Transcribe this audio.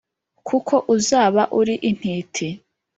kuko uzaba uri intiti